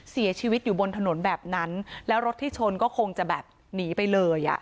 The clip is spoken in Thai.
เสียชีวิตอยู่บนถนนแบบนั้นแล้วรถที่ชนก็คงจะแบบหนีไปเลยอ่ะ